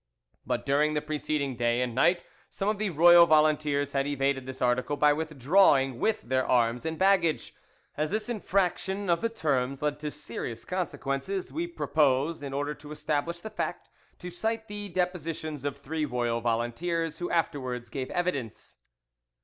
But during the preceding day and night some of the royal volunteers had evaded this article by withdrawing with their arms and baggage. As this infraction of the terms led to serious consequences, we propose, in order to establish the fact, to cite the depositions of three royal volunteers who afterwards gave evidence.